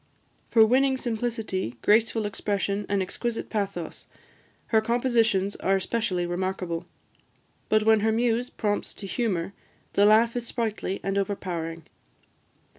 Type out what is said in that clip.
For winning simplicity, graceful expression, and exquisite pathos, her compositions are especially remarkable; but when her muse prompts to humour, the laugh is sprightly and overpowering.